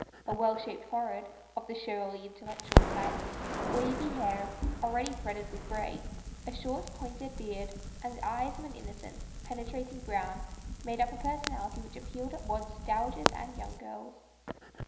A well shaped forehead — of the showy intel lectual type — wavy hair, already threaded with grey, a short, pointed beard, and eyes of an innocent, penetrating brown, made up a personality which appealed at once to dowagers and young girls.